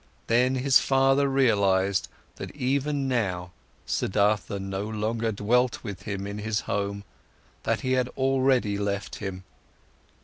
Then his father realized that even now Siddhartha no longer dwelt with him in his home, that he had already left him.